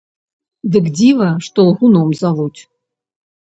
Дык дзіва, што лгуном завуць?!